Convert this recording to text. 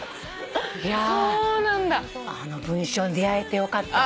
いやあの文章に出合えてよかった。